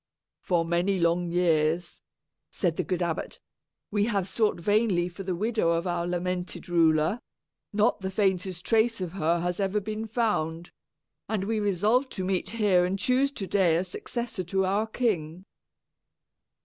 "For many long years," added the good abbot, "we have sought vainly for the widow of our lamented ruler; not the faintest trace of her has ever been found, and we have resolved to meet here and choose to day a successor to our king."